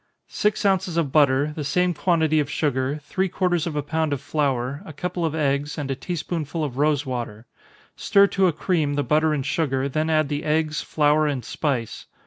_ Six ounces of butter, the same quantity of sugar, three quarters of a pound of flour, a couple of eggs, and a tea spoonful of rosewater. Stir to a cream the butter and sugar, then add the eggs, flour, and spice.